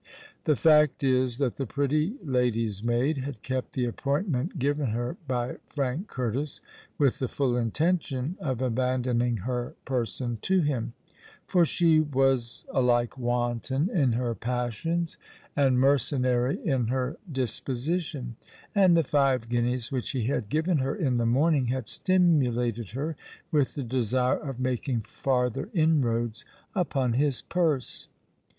The fact is that the pretty lady's maid had kept the appointment given her by Frank Curtis, with the full intention of abandoning her person to him; for she was alike wanton in her passions and mercenary in her disposition; and the five guineas which he had given her in the morning had stimulated her with the desire of making farther inroads upon his purse.